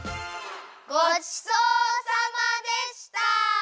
ごちそうさまでした！